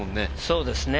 そうですね。